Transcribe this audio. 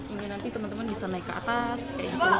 ini nanti teman teman bisa naik ke atas kayak gitu